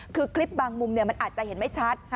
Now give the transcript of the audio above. คือคลิปบางมุมมันอาจจะเห็นไม่ชัด